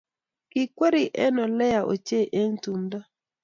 Kikweri eng oleyaa ochei eng tumdo